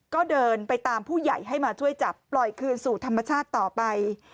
ก็เดินไปตามผู้ใหญ่ให้มาช่วยจับปล่อยคืนสู่ธรรมชาติต่อไป